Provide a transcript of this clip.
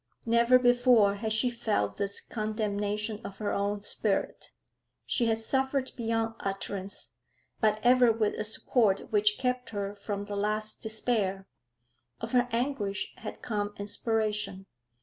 Never before had she felt this condemnation of her own spirit. She had suffered beyond utterance, but ever with a support which kept her from the last despair; of her anguish had come inspiration.